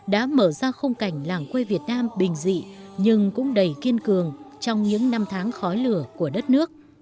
đã mở ra khung cảnh làng quê việt nam bình dị nhưng cũng đầy kiên cường trong những năm tháng khói lửa của đất nước